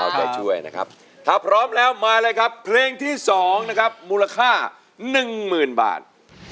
เอาใจช่วยนะครับถ้าพร้อมแล้วมาเลยครับเพลงที่๒นะครับมูลค่า๑๐๐๐บาท